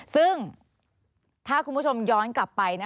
ซึ่งถ้าคุณผู้ชมย้อนกลับไป